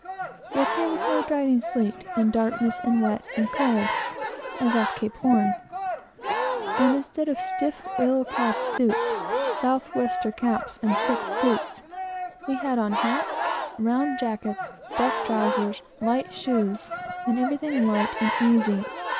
Yet here was no driving sleet, and darkness, and wet, and cold, as off Cape Horn; and instead of a stiff oil cloth suit, south wester caps, and thick boots, we had on hats, round jackets, duck trowsers, light shoes, and everything light and easy.